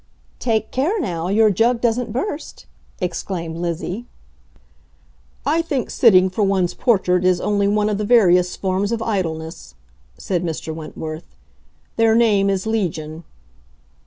"Take care, now, your jug doesn't burst!" exclaimed Lizzie. "I think sitting for one's portrait is only one of the various forms of idleness," said Mr. Wentworth. "Their name is legion."